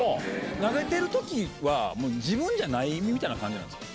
投げてるときは、もう、自分じゃないみたいな感じなんですか？